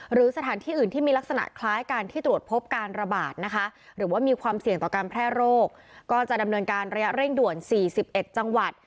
หรือว่ามีความเสี่ยงต่อการแพร่โรคก็จะดำเนินการระยะเร่งด่วน๔๑จังหวัด